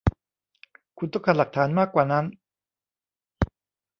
คุณต้องการหลักฐานมากว่านั้น